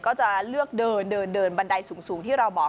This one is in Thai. ก็จะเลือกเดินเดินบันไดสูงที่เราบอก